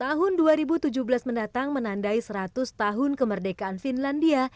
tahun dua ribu tujuh belas mendatang menandai seratus tahun kemerdekaan finlandia